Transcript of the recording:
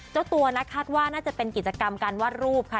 เจ้าตัวนะคาดว่าน่าจะเป็นกิจกรรมการวาดรูปค่ะ